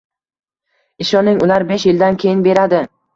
Ishoning, ular besh yildan keyin beradi.